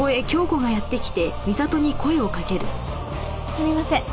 すみません。